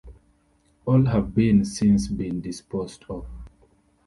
All have been since been disposed of.